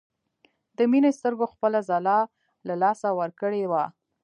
د مينې سترګو خپله ځلا له لاسه ورکړې وه